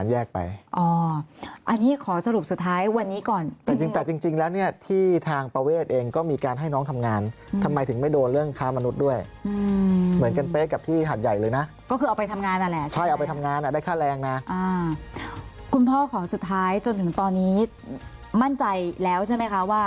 แล้วของประเวทนี่มารวมอยู่ในของปคมไหมคะ